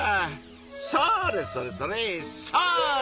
それそれそれそれ！